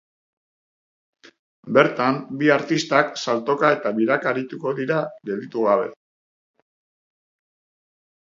Bertan, bi artistak saltoka eta biraka arituko dira gelditu gabe.